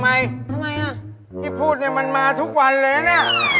ทำไมน่ะที่พูดนี่มันมาทุกวันเลยน่ะ